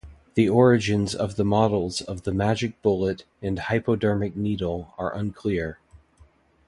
The origins of the models of the "Magic Bullet" and "Hypodermic Needle" are unclear.